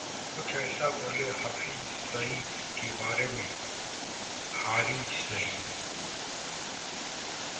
कुछ ऐसा बोले हाफिज सईद के बारे में हारिज सईद...